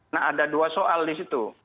nah ada dua soal disitu